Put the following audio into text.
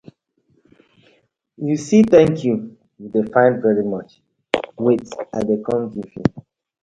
You see "thank you", you dey find "very much", wait I dey com giv you.